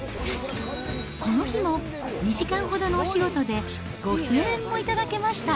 この日も２時間ほどのお仕事で、５０００円も頂けました。